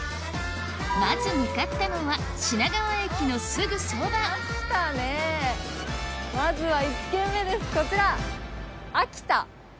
まず向かったのは品川駅のすぐそばまずは１軒目ですこちら。